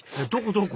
どこ？